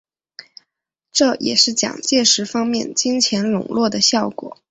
这也是蒋介石方面金钱拢络的效果。